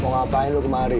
mau ngapain lu kemari